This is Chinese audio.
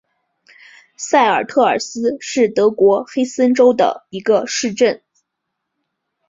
塞尔特尔斯是德国黑森州的一个市镇。